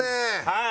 はい。